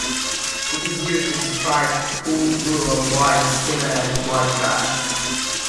It is used to describe poor rural whites similar to white trash.